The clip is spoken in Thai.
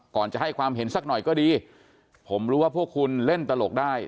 ก่อนจะให้ความเห็นสักหน่อยก็ดีผมรู้ว่าพวกคุณเล่นตลกได้